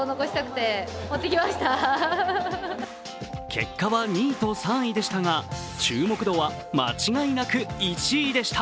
結果は２位と３位でしたが注目度は間違いなく１位でした。